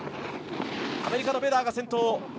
アメリカのベダー、先頭。